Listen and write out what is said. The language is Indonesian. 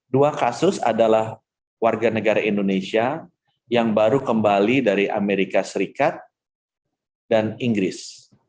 dua kasus adalah warga negara indonesia yang baru kembali dari amerika serikat dan inggris